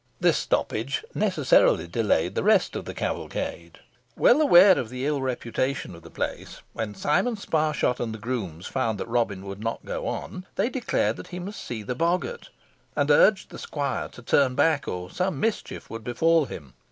This stoppage necessarily delayed the rest of the cavalcade. Well aware of the ill reputation of the place, when Simon Sparshot and the grooms found that Robin would not go on, they declared he must see the boggart, and urged the squire to turn back, or some mischief would befall him.